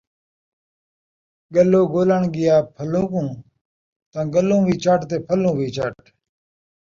گلّو ڳولݨ ڳیا پھلّو کوں تاں گلّو وی چٹ تے پھلّو وی چٹ